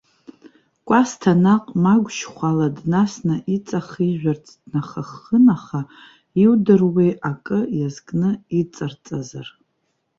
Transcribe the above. Кәасҭа наҟ магәшьхәала днасны иҵахижәарц днахаххын, аха иудыруеи, акы иазкны иҵарҵазар!